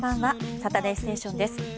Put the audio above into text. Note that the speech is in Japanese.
「サタデーステーション」です。